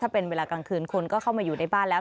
เป็นเวลากลางคืนคนก็เข้ามาอยู่ในบ้านแล้ว